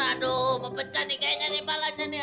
aduh mau pecah nih kayaknya nih palanya nih